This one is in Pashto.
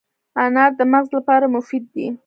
انار د مغز لپاره مفید دی.